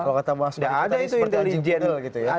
kalau kata pak sutyoso tadi seperti anjing budel gitu ya